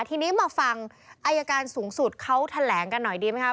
ทีนี้มาฟังอายการสูงสุดเขาแถลงกันหน่อยดีไหมครับ